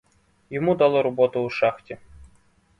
Йому дали роботу у шахті.